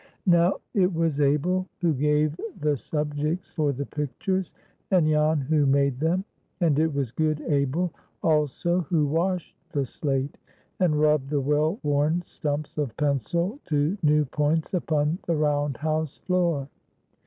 Now it was Abel who gave the subjects for the pictures, and Jan who made them, and it was good Abel also who washed the slate, and rubbed the well worn stumps of pencil to new points upon the round house floor.